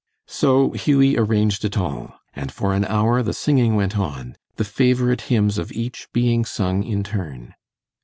So Hughie arranged it all, and for an hour the singing went on, the favorite hymns of each being sung in turn.